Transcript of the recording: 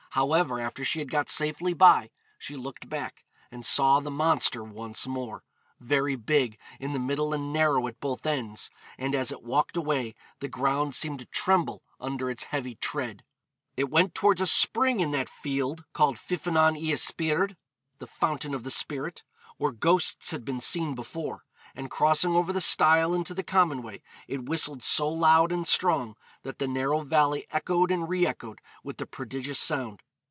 However, after she had got safely by she looked back, and saw the monster once more, 'very big in the middle and narrow at both ends,' and as it walked away the ground seemed to tremble under its heavy tread. It went towards a spring in that field called Ffynon yr Yspryd, (the Fountain of the Spirit,) where ghosts had been seen before, and crossing over the stile into the common way, it whistled so loud and strong that the narrow valley echoed and re echoed with the prodigious sound.